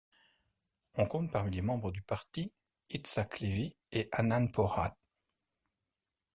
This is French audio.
On compte parmi les membres du parti Yitzhak Levy et Hanan Porat.